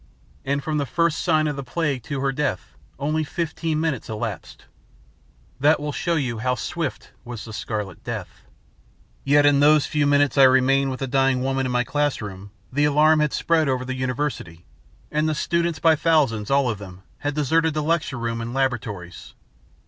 And from the first sign of the plague to her death only fifteen minutes elapsed. That will show you how swift was the Scarlet Death. "Yet in those few minutes I remained with the dying woman in my classroom, the alarm had spread over the university; and the students, by thousands, all of them, had deserted the lecture room and laboratories.